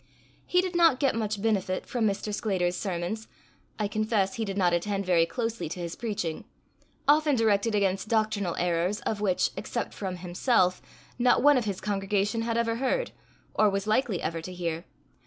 He did not get much benefit from Mr. Sclater's sermons: I confess he did not attend very closely to his preaching often directed against doctrinal errors of which, except from himself, not one of his congregation had ever heard, or was likely ever to hear.